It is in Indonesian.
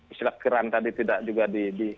istilah keran tadi tidak juga di